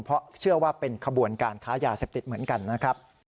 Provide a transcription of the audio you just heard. เพราะเชื่อว่าเป็นขบวนการค้ายาเสพติดเหมือนกันนะครับ